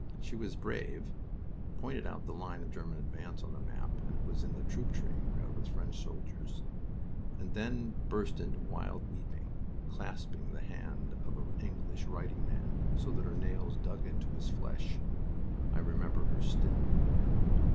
She was brave pointed out the line of the German advance on the map and it was in a troop train crowded with French soldiers and then burst into wild weeping, clasping the hand of an English writing man so that her nails dug into his flesh. I remember her still.